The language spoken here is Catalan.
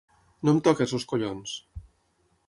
No em toquis els collons!